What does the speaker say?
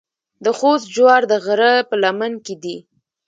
د خوست جوار د غره په لمن کې دي.